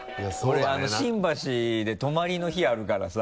俺新橋で泊まりの日あるからさ。